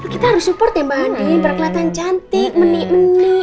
kita harus support ya mbak andin berkelihatan cantik menik menik